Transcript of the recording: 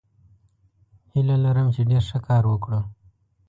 هیله لرم چې ډیر ښه کار وکړو.